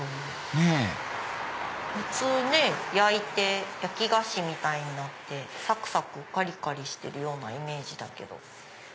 ねぇ普通焼いて焼き菓子みたいになってサクサクカリカリしてるようなイメージだけど。